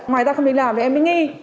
ngoài ra không đến làm thì em bị nghi